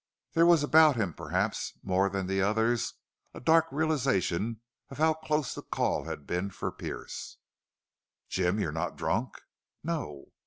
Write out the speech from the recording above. There was about him, perhaps more than the others, a dark realization of how close the call had been for Pearce. "Jim, you're not drunk?" "No."